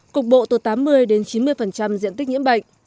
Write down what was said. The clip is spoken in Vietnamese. cục bộ từ tám mươi đến chín mươi diện tích nhiễm bệnh